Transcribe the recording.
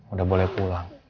udah boleh pulang